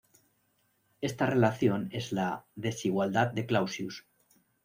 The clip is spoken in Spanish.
Esta relación es la "desigualdad de Clausius".